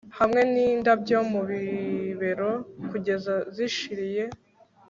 Hamwe nindabyo mu bibero kugeza zishiriye